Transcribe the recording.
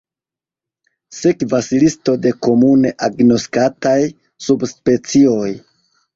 Sekvas listo de komune agnoskataj subspecioj.